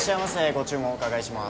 ご注文お伺いします。